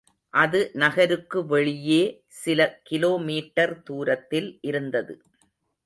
அது நகருக்கு வெளியே சில கிலோ மீட்டர் தூரத்தில் இருந்தது.